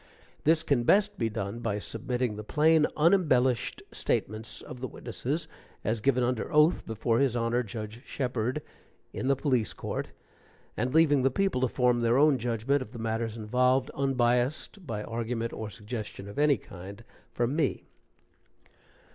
This can best be done by submitting the plain, unembellished statements of the witnesses as given under oath before his Honor Judge Sheperd, in the Police Court, and leaving the people to form their own judgment of the matters involved, unbiased by argument or suggestion of any kind from me.